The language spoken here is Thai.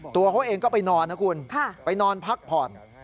ตัวเขาเองก็ไปนอนนะคุณไปนอนพักผ่อน